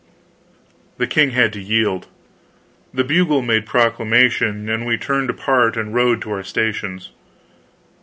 The king had to yield. The bugle made proclamation, and we turned apart and rode to our stations.